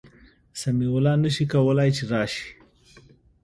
سمیع الله نسي کولای چي راسي